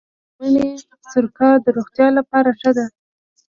د مڼې سرکه د روغتیا لپاره ښه ده.